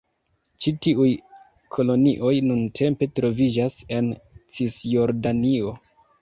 Ĉi tiuj kolonioj nuntempe troviĝas en Cisjordanio.